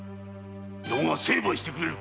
余が成敗してくれる‼